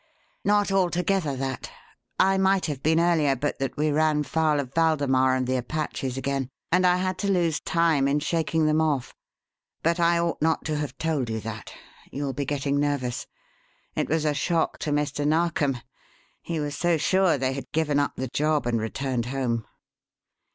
"Not altogether that. I might have been earlier but that we ran foul of Waldemar and the Apaches again, and I had to lose time in shaking them off. But I ought not to have told you that. You will be getting nervous. It was a shock to Mr. Narkom. He was so sure they had given up the job and returned home."